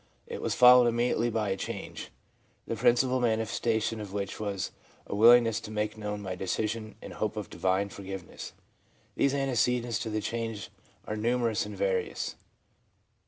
It was followed immediately by a change, the principal mani festation of which was a willingness to make known my decision and hope of divine forgiveness.' These antecedents to the change are numerous and various.